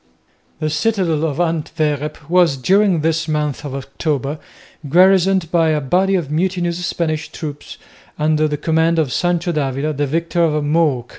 The citadel of Antwerp was, during this month of October, garrisoned by a body of mutinous Spanish troops under the command of Sancho d'Avila, the victor of Mook.